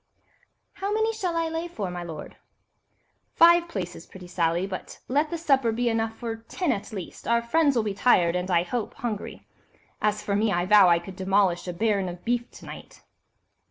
"How many shall I lay for, my lord?" "Five places, pretty Sally, but let the supper be enough for ten at least—our friends will be tired, and, I hope, hungry. As for me, I vow I could demolish a baron of beef to night."